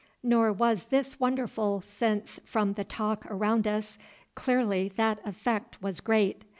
Nor was this wonderful since, from the talk around us, clearly that effect was great.